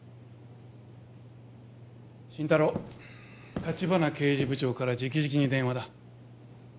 心太朗立花刑事部長からじきじきに電話だ